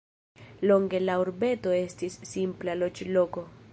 Longe la urbeto estis simpla loĝloko.